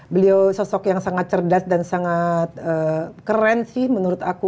beliau sosok yang sangat cerdas dan sangat keren sih menurut aku